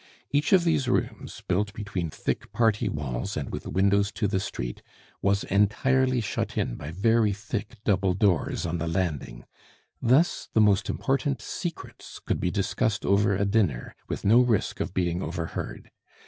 Each of these rooms, built between thick party walls and with windows to the street, was entirely shut in by very thick double doors on the landing. Thus the most important secrets could be discussed over a dinner, with no risk of being overheard.